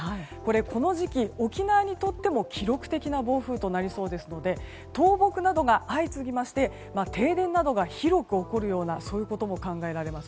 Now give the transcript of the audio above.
この時期、沖縄にとっても記録的な暴風となりそうですので倒木などが相次ぎまして停電などが広く起こるようなことも考えられます。